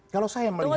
kalau saya melihatnya